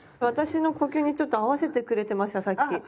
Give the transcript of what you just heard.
私の呼吸にちょっと合わせてくれてましたさっき？